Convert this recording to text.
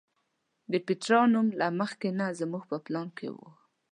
د پیترا نوم له مخکې نه زموږ په پلان کې و.